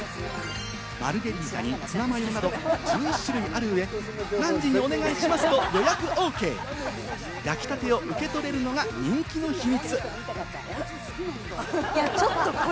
マルゲリータにツナマヨなど１１種類ある上、何時に予約しますと予約を受け、焼き立てを受け取れるのが人気の秘密。